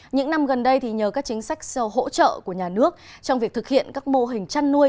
những năm gần đây nhờ các chính sách hỗ trợ của nhà nước trong việc thực hiện các mô hình chăn nuôi